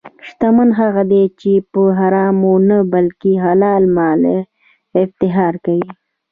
شتمن هغه دی چې په حرامو نه، بلکې حلال مال افتخار کوي.